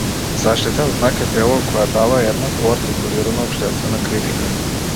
Заштитен знак е дело кое дава една поартикулирана општествена критика.